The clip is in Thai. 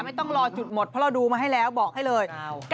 ไม่ต้องรอจุดหมดเพราะเราดูมาให้แล้วบอกให้เลย